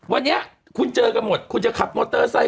วันนี้คุณเจอกันหมดคุณจะขับมอเตอร์ไซค